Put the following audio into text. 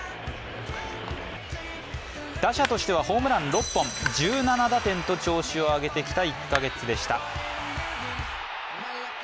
打者としてはホームラン６本、１７打点と調子を上げてきた１カ月でした。